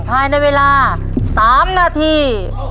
ไพร์ในเวลาสามนาที